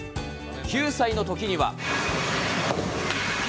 ９歳のときには。